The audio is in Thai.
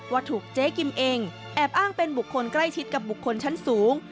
ว่าถูกเจ๊กิมเองแอบอ้างเป็นบุคคลใกล้ชิดกับบุคคลชั้นสูง